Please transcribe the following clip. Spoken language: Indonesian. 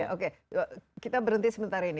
oke kita berhenti sebentar ini